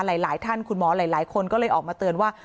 หลายท่านคุณหมอหลายคนก็เลยออกมาเตือนว่า